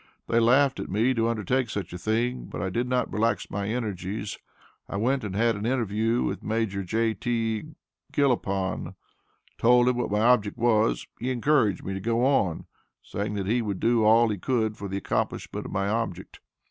They laughed at me to undertake such a thing; but I did not relax my energies. I went and had an interview with Major J.T. Gilepon, told him what my object was, he encouraged me to go on, saying that he would do all he could for the accomplishment of my object.